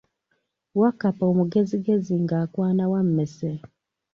Wakkapa omugezigezi ng’akwana wammese.